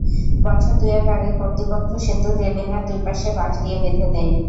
বছর দুয়েক আগে কর্তৃপক্ষ সেতুর রেলিংয়ের দুই পাশে বাঁশ দিয়ে বেঁধে দেয়।